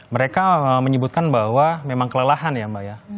mereka menyebutkan bahwa memang kelelahan ya mbak ya